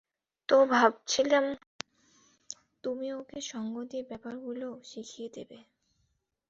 তো ভাবছিলাম, তুমি ওকে সঙ্গ দিয়ে ব্যাপারগুলো শিখিয়ে দেবে।